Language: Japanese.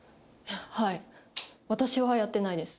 はい私はやってないです